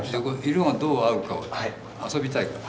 色がどう合うかを遊びたいから。